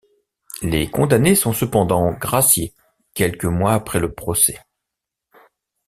Les condamnés sont cependant graciés quelques mois après le procès.